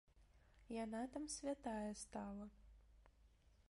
Яна там святая стала.